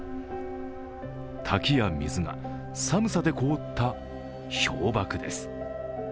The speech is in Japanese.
滝や水が寒さで凍った氷ばくです。